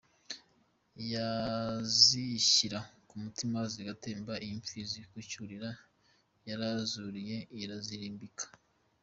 Yazishyira ku mutima zigatemba, iyi mfizi ya Cyurira yarazuriye irazirambika!